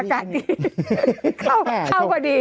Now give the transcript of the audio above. ข้อเท่ากว่าดี